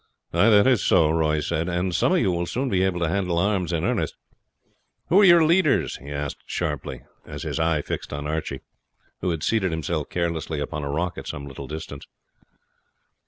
"That is so," Roy said; "and some of you will soon be able to handle arms in earnest. Who are your leaders?" he asked sharply, as his eye fixed on Archie, who had seated himself carelessly upon a rock at some little distance.